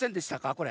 これ。